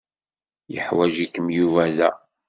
Yeḥwaǧ-ikem Yuba da.